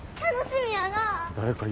楽しみやなあ。